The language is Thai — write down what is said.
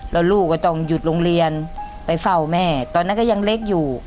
แล้วลูกก็ต้องหยุดโรงเรียนไปเฝ้าแม่ตอนนั้นก็ยังเล็กอยู่